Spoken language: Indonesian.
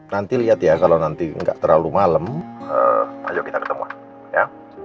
nanti lihat ya kalau nanti enggak terlalu malem ajok kita ketemu ya